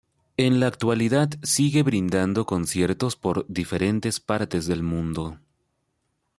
En la actualidad sigue brindando conciertos por diferentes partes del mundo.